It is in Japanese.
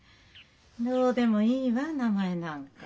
どうでもいいわ名前なんか。